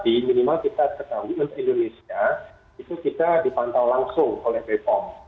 di minimal kita ketahui untuk indonesia itu kita dipantau langsung oleh bepom